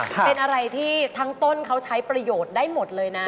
เป็นอะไรที่ทั้งต้นเขาใช้ประโยชน์ได้หมดเลยนะ